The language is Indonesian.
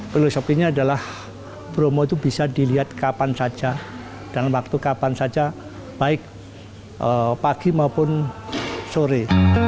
filosofinya adalah bromo itu bisa dilihat kapan saja dan waktu kapan saja baik pagi maupun sore